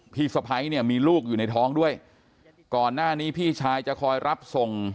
พี่สะพ้ายเนี่ยมีลูกอยู่ในท้องด้วยก่อนหน้านี้พี่ชายจะคอยรับส่ง